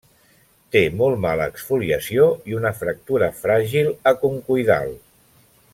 Té molt mala exfoliació i una fractura fràgil a concoidal.